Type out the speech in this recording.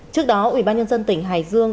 trước đó ủy ban nhân dân tỉnh hải dương